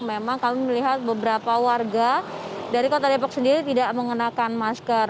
memang kami melihat beberapa warga dari kota depok sendiri tidak mengenakan masker